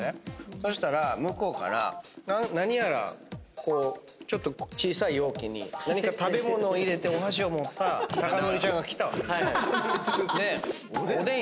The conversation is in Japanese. そしたら向こうから何やらこうちょっと小さい容器に食べ物を入れてお箸を持った貴教ちゃんが来たわけ。でおでんいいねって。